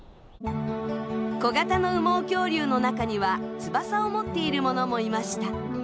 小型の羽毛恐竜の中には翼を持っているものもいました。